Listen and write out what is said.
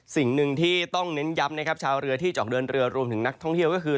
สิ่งหนึ่งที่ต้องเน้นย้ำนะครับชาวเรือที่จะออกเดินเรือรวมถึงนักท่องเที่ยวก็คือ